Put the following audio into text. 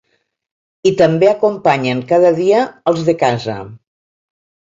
I també acompanyen cada dia als de casa.